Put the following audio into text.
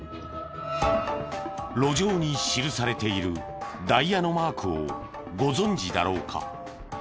路上にしるされているダイヤのマークをご存じだろうか？